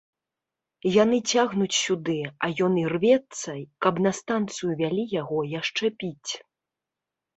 Яны цягнуць сюды, а ён ірвецца, каб на станцыю вялі яго яшчэ піць.